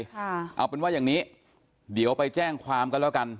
ค่ะเอาเป็นว่าอย่างนี้เดี๋ยวไปแจ้งความกันแล้วกัน